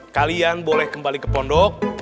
kalian boleh kembali ke pondok